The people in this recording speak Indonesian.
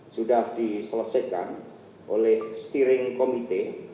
sudah diselesaikan oleh steering committee